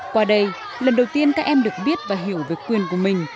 qua đây lần đầu tiên các em được biết và hiểu về quyền của mình